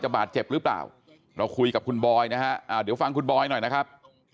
บาดเจ็บหรือเปล่าเราคุยกับคุณบอยนะฮะเดี๋ยวฟังคุณบอยหน่อยนะครับ